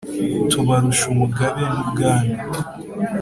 tubarusha umugabe n'ubwami